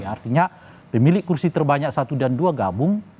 artinya pemilik kursi terbanyak satu dan dua gabung